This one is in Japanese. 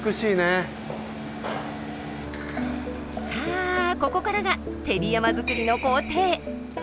さあここからが手火山造りの工程。